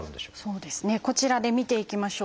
そうですねこちらで見ていきましょう。